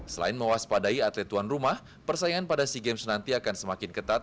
selain mewaspadai atlet tuan rumah persaingan pada sea games nanti akan semakin ketat